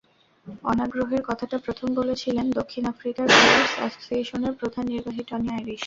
অনাগ্রহের কথাটা প্রথম বলেছিলেন দক্ষিণ আফ্রিকার প্লেয়ার্স অ্যাসোসিয়েশনের প্রধান নির্বাহী টনি আইরিশ।